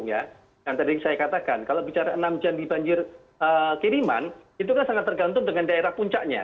yang tadi saya katakan kalau bicara enam jam di banjir kiriman itu kan sangat tergantung dengan daerah puncaknya